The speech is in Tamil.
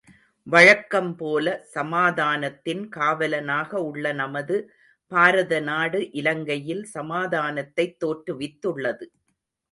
வழக்கம்போல சமாதானத்தின் காவலனாக உள்ள நமது பாரதநாடு இலங்கையில் சமாதானத்தைத் தோற்றுவித்துள்ளது.